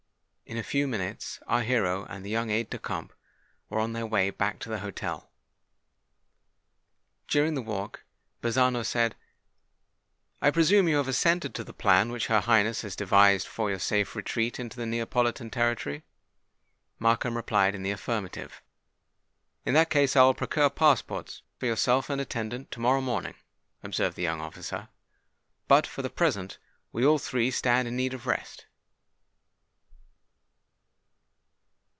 In a few minutes our hero and the young aide de camp were on their way back to the hotel. During the walk, Bazzano said, "I presume you have assented to the plan which her Highness has devised for your safe retreat into the Neapolitan territory?" Markham replied in the affirmative. "In that case I will procure passports for yourself and attendant, to morrow morning," observed the young officer. "But, for the present, we all three stand in need of rest."